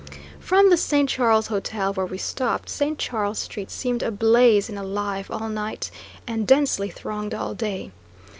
From the St. Charles hotel where we stopped, St. Charles street seemed ablaze and alive all night, and densely thronged all day.